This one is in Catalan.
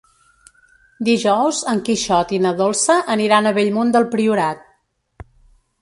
Dijous en Quixot i na Dolça aniran a Bellmunt del Priorat.